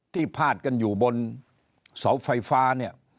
พาดกันอยู่บนเสาไฟฟ้าเนี่ย